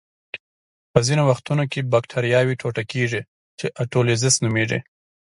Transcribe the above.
په ځینو وختونو کې بکټریاوې ټوټه کیږي چې اټولیزس نومېږي.